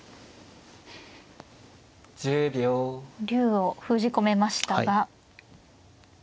竜を封じ込めましたが。